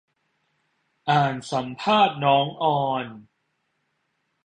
อ่านสัมภาษณ์น้องออน